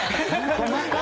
細かい。